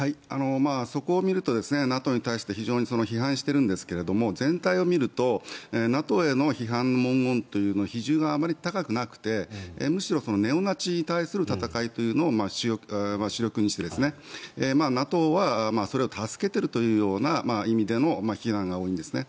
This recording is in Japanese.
そこを見るとＮＡＴＯに対して非常に批判してるんですけども全体を見るとＮＡＴＯへの批判の文言というのは比重があまり高くなくてむしろネオナチに対する戦いというのを主翼にして、ＮＡＴＯはそれを助けているという意味での非難が多いんですね。